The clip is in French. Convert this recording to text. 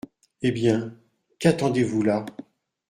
Eh bien, qu’attendez-vous là ?